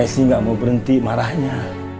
s nya gak mau berhenti marahnya